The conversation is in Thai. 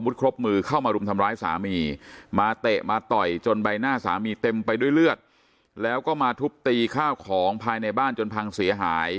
เตะมาต่อยจนใบหน้าสามีเต็มไปด้วยเลือดแล้วก็มาทุบตีข้าวของภายในบ้านจนพังเสียหาย